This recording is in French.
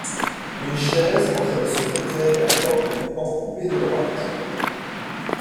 Une chaise, entre le secrétaire et la porte du pan coupé de droite.